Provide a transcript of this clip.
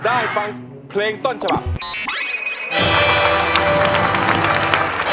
ได้ฟังเพลงต้นฉบับ